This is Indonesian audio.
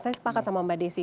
saya sepakat sama mbak desi